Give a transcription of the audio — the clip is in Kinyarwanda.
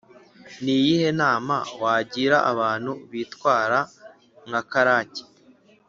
ni iyihe nama wagira abantu bitwara nka karake,